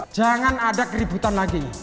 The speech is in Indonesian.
jangan ada keributan lagi